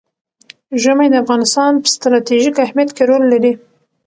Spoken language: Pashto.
ژمی د افغانستان په ستراتیژیک اهمیت کې رول لري.